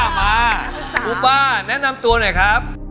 ฟูฟ่าแนะนำตัวหน่อยครับ